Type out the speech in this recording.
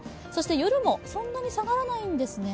夜もそんなに下がらないんですね。